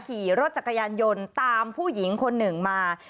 ขี่รถจักรยานยนต์ตามผู้หญิงคนหนึ่งมา